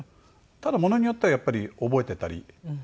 ただものによってはやっぱり覚えていたり。